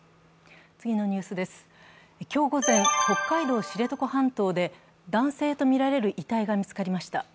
今日午前、北海道知床半島で男性とみられる遺体が見つかりました。